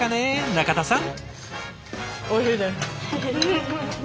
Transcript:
中田さん。